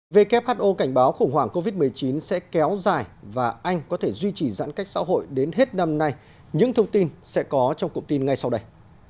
who cảnh báo khủng hoảng covid một mươi chín sẽ kéo dài và anh có thể duy trì giãn cách xã hội đến hết năm nay những thông tin sẽ có trong cụm tin ngay sau đây